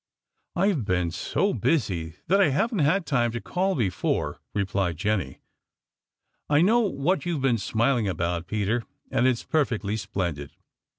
"I've been so busy that I haven't had time to call before," replied Jenny. "I know what you've been smiling about, Peter, and it's perfectly splendid.